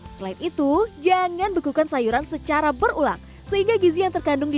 selain itu jangan bekukan sayuran secara berulang sehingga gizi yang terkandung di